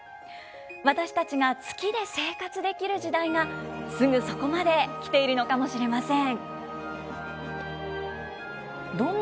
私たちが月で生活できる時代がすぐそこまで来ているのかもしれません。